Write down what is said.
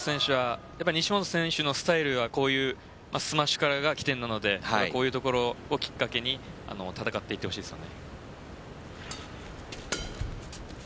西本選手のスタイルがこういうスマッシュからが起点なのでこういうところをきっかけに戦っていってほしいですよね。